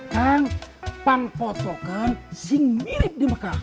kan pampotokan sing mirip di mekah